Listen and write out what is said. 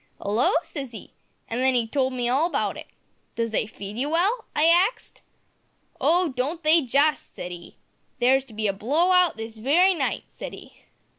`'Allo!' says 'e; an' then 'e told me all about it. `Does they feed you well?' I axed. `Oh! don't they, just!' said 'e. `There's to be a blow hout this wery night,' said 'e.